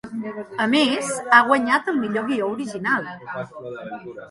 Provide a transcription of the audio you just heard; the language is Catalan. A més, ha guanyat el millor guió original.